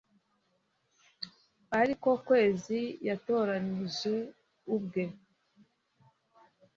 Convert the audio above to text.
ari ko kwezi yatoranije ubwe